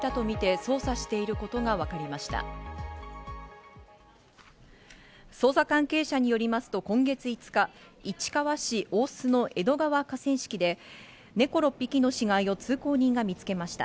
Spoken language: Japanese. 捜査関係者によりますと、今月５日市川市大洲の江戸川河川敷で猫６匹の死骸を通行人が見つけました。